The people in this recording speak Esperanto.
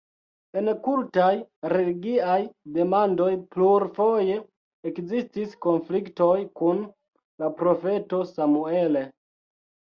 En kultaj-religiaj demandoj plurfoje ekzistis konfliktoj kun la profeto Samuel.